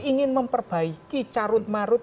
ingin memperbaiki carut media